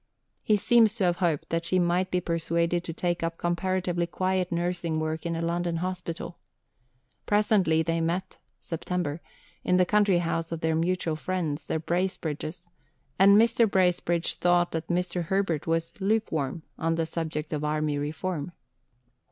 He seems to have hoped that she might be persuaded to take up comparatively quiet nursing work in a London hospital. Presently they met (Sept.) in the country house of their mutual friends, the Bracebridges, and Mr. Bracebridge thought that Mr. Herbert was "lukewarm" on the subject of Army Reform.